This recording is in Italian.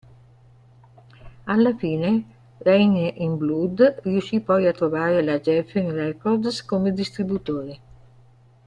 Alla fine "Reign in Blood" riuscì poi a trovare la Geffen Records come distributore.